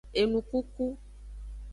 Enukuku.